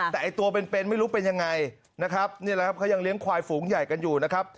แต่ไอ้ตัวเป็นเป็นไม่รู้เป็นยังไงนะครับนี่แหละครับเขายังเลี้ยงควายฝูงใหญ่กันอยู่นะครับ